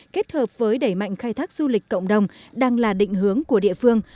kết hợp với đẩy mạnh khai thác du lịch cộng đồng đang là định hướng của địa phương